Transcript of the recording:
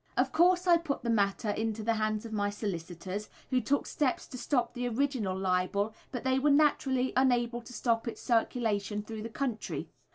Of course, I put the matter into the hands of my solicitors, who took steps to stop the original libel, but they were naturally unable to stop its circulation through the country.